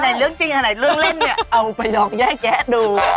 ถ้านี่เรื่องจริงเรื่องเล่นเอาไปรอแย้แกะดู